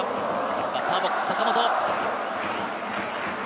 バッターボックス・坂本。